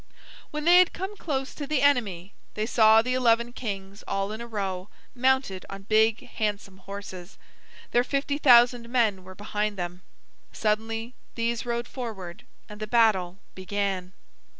When they had come close to the enemy, they saw the eleven kings all in a row, mounted on big handsome horses. Their fifty thousand men were behind them. Suddenly these rode forward and the battle began.